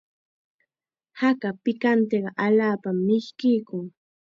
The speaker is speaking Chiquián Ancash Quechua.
Haka pikantiqa allaapam mishkiykun.